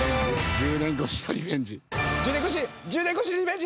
１０年越しのリベンジ！